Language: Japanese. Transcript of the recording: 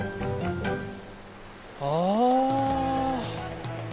ああ！